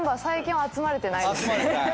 最近は集まれてないです。